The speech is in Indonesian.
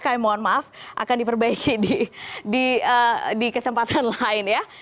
kami mohon maaf akan diperbaiki di kesempatan lain ya